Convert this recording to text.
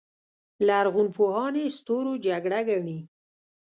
لرغونپوهان یې ستورو جګړه ګڼي